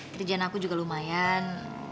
kerjaan aku juga lumayan